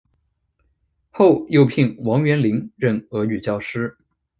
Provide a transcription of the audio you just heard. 后又聘王元龄任俄语教师。